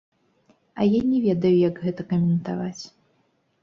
А я не ведаю, як гэта каментаваць!